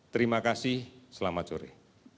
terima kasih selamat sore